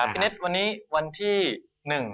พี่เน็ตวันนี้วันที่หนึ่ง